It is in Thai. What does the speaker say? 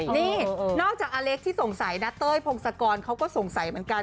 นี่นอกจากอเล็กที่สงสัยนะเต้ยพงศกรเขาก็สงสัยเหมือนกัน